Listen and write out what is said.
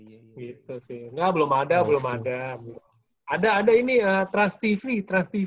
gitu sih nggak belum ada belum ada ada ada ini ya trust tv trust tv